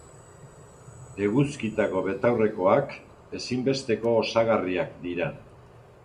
Eguzkitako betaurrekoak ezinbesteko osagarriak dira.